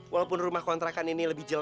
ya terus lo ngapain di situ pergi lo